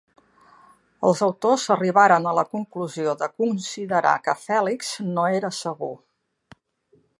Els autors arribaren a la conclusió de considerar que Phelix no era segur.